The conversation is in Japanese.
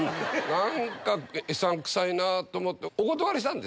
何かうさんくさいなと思って。